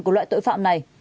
của lực lượng công an